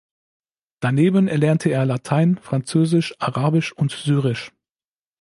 Daneben erlernte er Latein, Französisch, Arabisch und Syrisch.